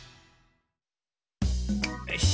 よし。